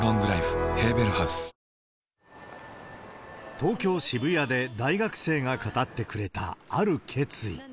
東京・渋谷で大学生が語ってくれたある決意。